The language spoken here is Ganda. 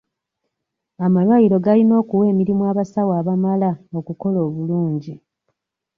Amalwaliro galina okuwa emirimu abasawo abamala okukola obulungi.